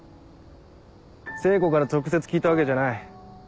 聖子から直接聞いたわけじゃない。